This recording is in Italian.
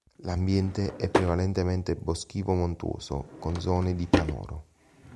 L'ambiente è prevalentemente boschivo montuoso, con zone di pianoro.